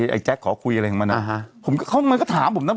ไอ้ไอ้ไอ้แจ๊คขอคุยอะไรกันมาน่ะอ่าฮะผมก็เขามันก็ถามผมน่ะ